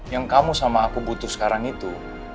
yang kamu sama aku butuh sekarang itu